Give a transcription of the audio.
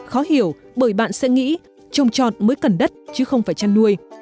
khó hiểu bởi bạn sẽ nghĩ trồng trọt mới cần đất chứ không phải chăn nuôi